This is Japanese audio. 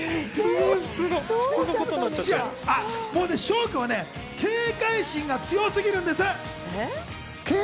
紫耀君は警戒心が強すぎるんです。